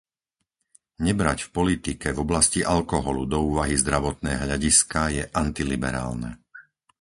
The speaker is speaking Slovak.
Nebrať v politike v oblasti alkoholu do úvahy zdravotné hľadiská je antiliberálne.